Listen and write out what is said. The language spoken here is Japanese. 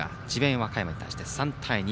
和歌山に対して３対２。